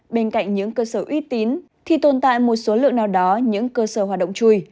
bên cạnh những cơ sở uy tín thì tồn tại một số lượng nào đó những cơ sở hoạt động chui